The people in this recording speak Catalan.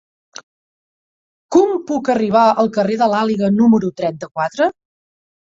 Com puc arribar al carrer de l'Àliga número trenta-quatre?